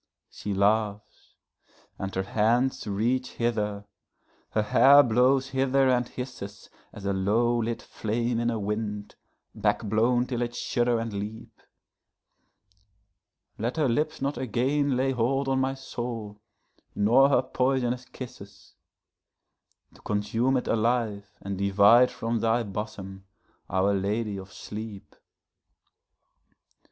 She laughs, and her hands reach hither, her hair blows hither and hissesAs a low lit flame in a wind, back blown till it shudder and leap; Let her lips not again lay hold on my soul, nor her poisonous kisses, To consume it alive and divide from thy bosom, Our Lady of Sleep.